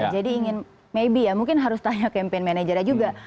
jadi ingin maybe ya mungkin harus tanya campaign managernya juga